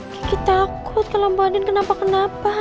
gigi takut kalau mbak andin kenapa kenapa